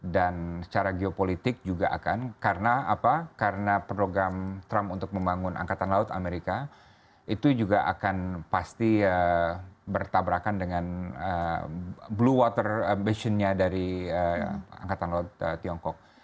dan secara geopolitik juga akan karena program trump untuk membangun angkatan laut amerika itu juga akan pasti bertabrakan dengan blue water ambitionnya dari angkatan laut tiongkok